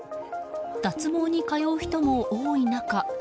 脱毛に通う人も多い中